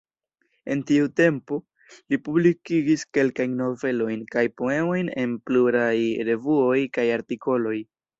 En tiu tempo, li publikigis kelkajn novelojn kaj poemojn en pluraj revuoj kaj artikoloj.